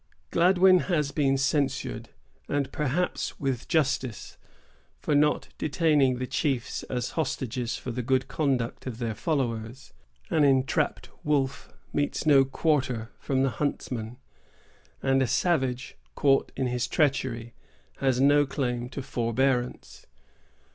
Gladwyn has been censured, and perhaps with justice, for not detaining the chiefs as hostages for the good conduct of their followers. An entrapped wolf meets no quarter from the huntsman; and a savage, caught in his treachery, has no claim to forbearance.